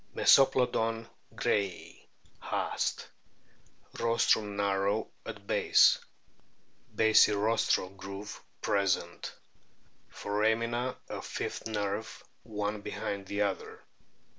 Mesoplodon grayi, Haast.t Rostrum narrow at base ; basirostral groove present ; foramina of fifth nerve one behind the other.